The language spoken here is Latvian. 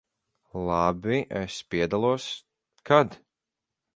Labi, es piedalos. Kad?